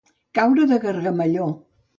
Caure el gargamelló.